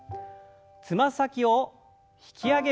つま先を引き上げる運動です。